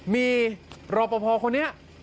มีรอบพ่อคนนี้